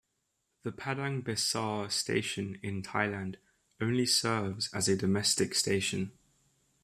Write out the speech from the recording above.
The Padang Besar station in Thailand only serves as a domestic station.